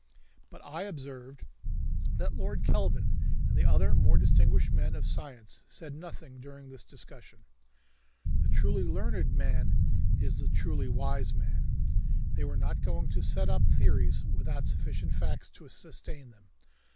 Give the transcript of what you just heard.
But I observed that Lord Kelvin and the other more distinguished men of science said nothing during this discussion. The truly learned man is the truly wise man. They were not going to set up theories without sufficient facts to sustain them.